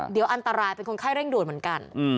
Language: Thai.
เดี๋ยวอันตรายเป็นคนไข้เร่งด่วนเหมือนกัน